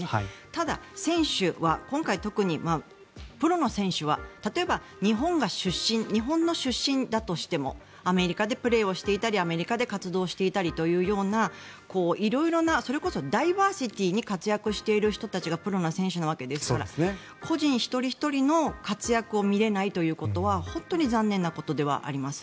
ただ、選手は今回特にプロの選手は例えば、日本の出身だとしてもアメリカでプレーをしていたりアメリカで活動活躍していたりということで色々なそれこそダイバーシティーに活躍している人たちがプロの選手なわけですから個人一人ひとりの活躍を見れないということは本当に残念なことではあります。